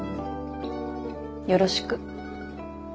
よろしく。